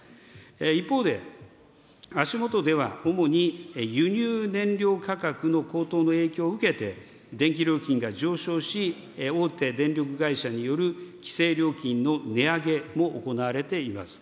一方で、足もとでは主に輸入燃料価格の高騰の影響を受けて、電気料金が上昇し、大手電力会社による規制料金の値上げも行われています。